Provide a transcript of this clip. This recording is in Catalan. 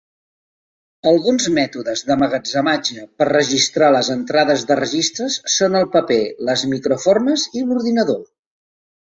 Alguns mètodes d'emmagatzematge per registrar les entrades de registres són el paper, les microformes i l'ordinador.